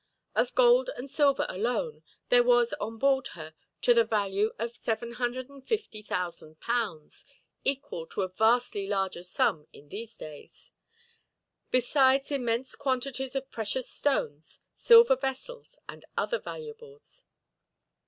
Of gold and silver, alone, there was on board her to the value of 750,000 pounds, equal to a vastly larger sum in these days; besides immense quantities of precious stones, silver vessels, and other valuables.